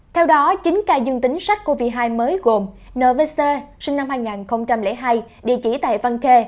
theo đó chín ca dân tính sát covid một mươi chín mới gồm nvc sinh năm hai nghìn hai địa chỉ tại văn khê